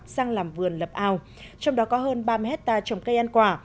sang làm vườn lập ao trong đó có hơn ba mươi hectare trồng cây ăn quả